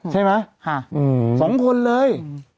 ใช่ไหม๒คนเลย